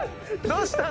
どうした？